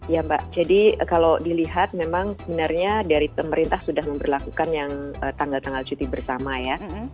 ya mbak jadi kalau dilihat memang sebenarnya dari pemerintah sudah memperlakukan yang tanggal tanggal cuti bersama ya